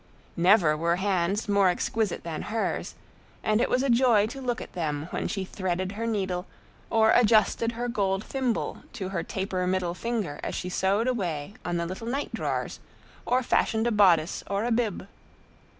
Never were hands more exquisite than hers, and it was a joy to look at them when she threaded her needle or adjusted her gold thimble to her taper middle finger as she sewed away on the little night drawers or fashioned a bodice or a bib.